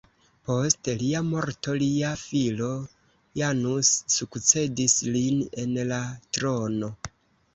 Post lia morto, lia filo Janus sukcedis lin en la trono.